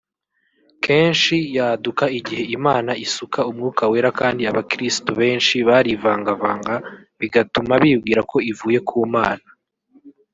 Kenshi yaduka igihe Imana isuka Umwuka Wera kandi abakiristu benshi barivangavanga bigatuma bibwira ko ivuye ku Mana